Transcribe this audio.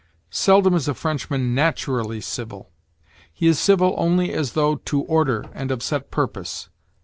Seldom is a Frenchman naturally civil: he is civil only as though to order and of set purpose.